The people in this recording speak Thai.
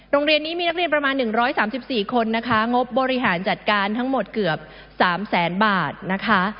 โรงเรียนนี้มีนักเรียนประมาณ๑๓๔คนนะคะงบบริหารจัดการทั้งหมดเกือบ๓แสนบาทนะคะ